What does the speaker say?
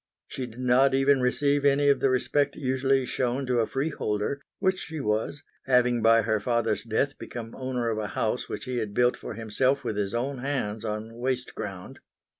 She did not even receive any of the respect usually shown to a freeholder which she was, having by her father's death become owner of a house which he had built for himself with his own hands on waste ground.